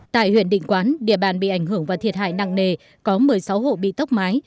tại huyện định quán địa bàn bị ảnh hưởng và thiệt hại nặng nề có một mươi sáu hộ bị tốc mái